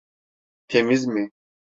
Temiz mi?